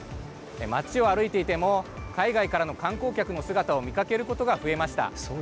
街を歩いていても海外からの観光客の姿を見かけることが増えました。